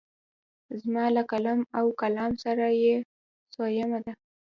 زما له قلم او کلام سره یې څویمه ده.